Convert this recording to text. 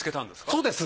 そうです。